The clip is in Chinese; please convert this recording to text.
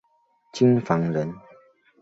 京房人。